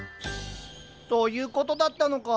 そういうことだったのか。